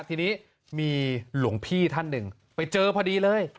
ทีนี้มีหลวงพี่ท่านหนึ่งไปเจอพอดีเลย